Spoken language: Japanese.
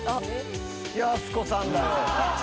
やす子さんだよ！